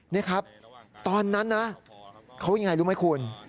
นี่ครับตอนนั้นนะเขายังไงรู้ไหมคุณ